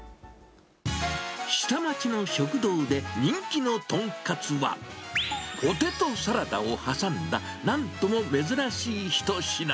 下町の食堂で人気の豚カツは、ポテトサラダを挟んだ、なんとも珍しい一品。